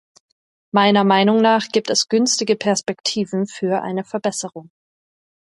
Meiner Meinung nach gibt es günstige Perspektiven für eine Verbesserung.